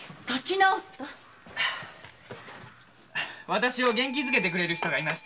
私を元気づけてくれる人がいて。